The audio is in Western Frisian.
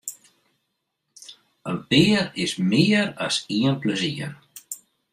In pear is mear as ien plus ien.